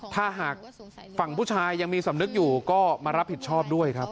ถ้าหากฝั่งผู้ชายยังมีสำนึกอยู่ก็มารับผิดชอบด้วยครับ